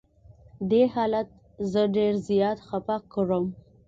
دې حالت زه ډېر زیات خفه کړم.